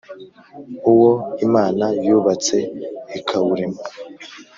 uwo Imana yubatse ikawurema